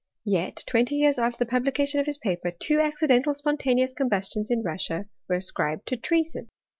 Yet, twenty years after the publication of his paper, two accidental spontaneous combustions, in Russia, were ascribed to treason.